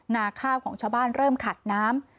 นาข้าวของชาวบ้านเริ่มขัดน้ำ